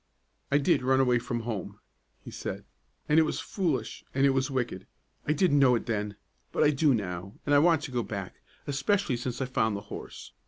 "I did run away from home," he said, "and it was foolish and it was wicked. I didn't know it then, but I do now, and I want to go back, especially since I found the horse.